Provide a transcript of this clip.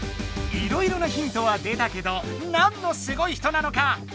いろいろなヒントは出たけど何のすごい人なのか？